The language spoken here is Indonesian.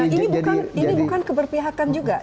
ini bukan keberpihakan juga